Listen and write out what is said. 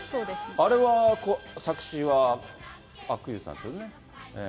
あれは作詞は阿久悠さんですよね。